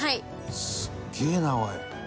すげえなおい！